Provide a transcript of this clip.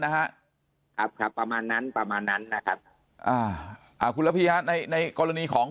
ครับครับประมาณนั้นประมาณนั้นนะครับอ่าคุณพี่ในกรณีของ